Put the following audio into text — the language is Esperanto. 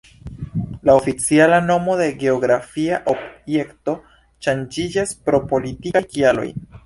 La oficiala nomo de geografia objekto ŝanĝiĝas pro politikaj kialoj.